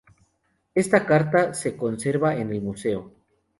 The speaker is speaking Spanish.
Esta carta se conserva en el museo.